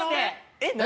えっ何？